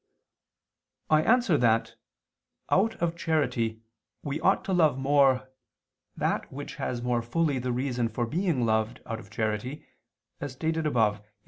I answer that, Out of charity we ought to love more that which has more fully the reason for being loved out of charity, as stated above (A.